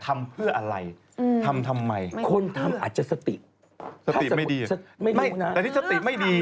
ไม่รู้นะแต่ที่สติไม่ดี